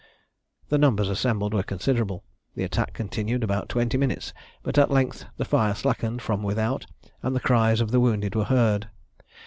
The numbers assembled were considerable. The attack continued about twenty minutes; but at length the fire slackened from without, and the cries of the wounded were heard.